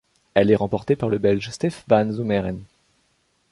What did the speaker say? Elle est remportée par le Belge Stef Van Zummeren.